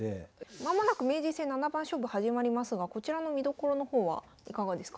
間もなく名人戦七番勝負始まりますがこちらの見どころの方はいかがですか？